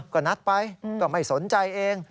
ก็นัดไปก็ไม่สนใจเอง